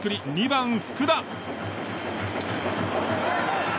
２番、福田。